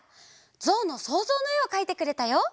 「ぞうのそうぞう」のえをかいてくれたよ。